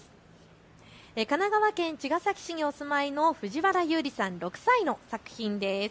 神奈川県茅ヶ崎市にお住まいのふじわらゆうりさん、６歳の作品です。